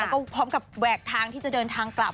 แล้วก็พร้อมกับแหวกทางที่จะเดินทางกลับ